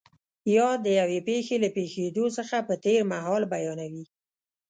یا د یوې پېښې له پېښېدو څخه په تېر مهال بیانوي.